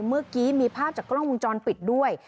เมื่อกี้มีภาพจากกล้องวงจรปิดด้วย